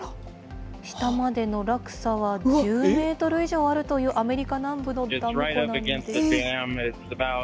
下までの落差は１０メートル以上あるというアメリカ南部のダム湖